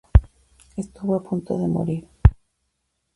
Estuvo a punto de morir.